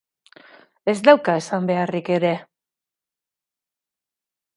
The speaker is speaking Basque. Ez dauka esan beharrik ere.